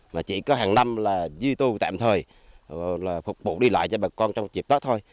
mà chỉ có hàng năm là duy tu tạm thời là phục vụ đi lại cho bà con trong dịp đó thôi